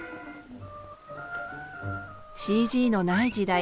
ＣＧのない時代